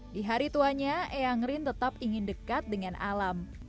di hari tuanya eyanglin tetap ingin dekat dengan alam